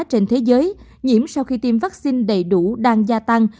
trên thế giới nhiễm sau khi tiêm vaccine đầy đủ đang gia tăng